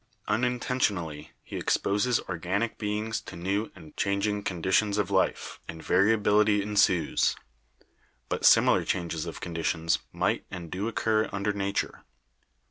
Unintentionally FACTORS OF EVOLUTION— SELECTION 199 he exposes organic beings to new and changing condi tions of life, and variability ensues; but similar changes of conditions might and do occur under nature.